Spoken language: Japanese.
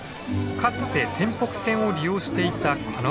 かつて天北線を利用していたこの女性。